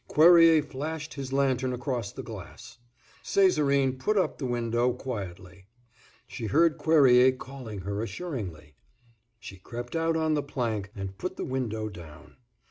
Cuerrier flashed his lantern across the glass. Césarine put up the window quietly. She heard Cuerrier calling her assuringly. She crept out on the plank, and put the window down.